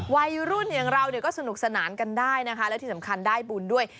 วัยรุ่นอย่างเราเนี่ยก็สนุกสนานกันได้นะคะและที่สำคัญได้บุญด้วย